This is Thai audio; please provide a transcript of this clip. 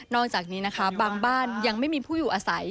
อกจากนี้นะคะบางบ้านยังไม่มีผู้อยู่อาศัย